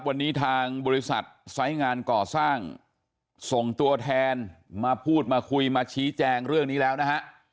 วันนี้ทางบริษัทไซส์งานก่อสร้างส่งตัวแทนมาพูดมาคุยมาชี้แจงเรื่องนี้แล้วนะฮะ